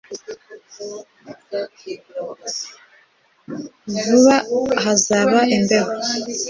vuba hazaba imbeho